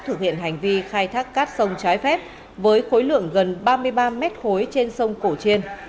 thực hiện hành vi khai thác cát sông trái phép với khối lượng gần ba mươi ba mét khối trên sông cổ chiên